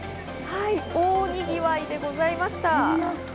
おおにぎわいでございました。